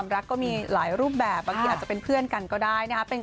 ไม่เกี่ยวค่ะไม่ได้สร้างกระแส